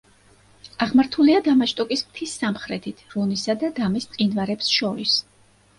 აღმართულია დამაშტოკის მთის სამხრეთით, რონისა და დამის მყინვარებს შორის.